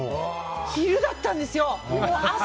昼だったんですよ。